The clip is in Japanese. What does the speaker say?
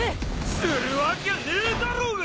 するわきゃねえだろうが！